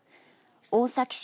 大崎市